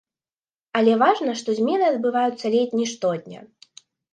Але важна, што змены адбываюцца ледзь не штодня.